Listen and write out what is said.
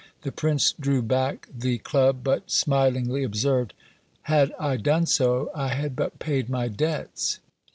the prince drew back the club, but smilingly observed, "Had I done so, I had but paid my debts."